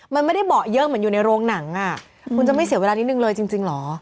มันไม่ได้เบาะเยอะเหมือนอยู่ในโรงหนังอ่ะคุณจะไม่เสียเวลานิดนึงเลยจริงเหรอ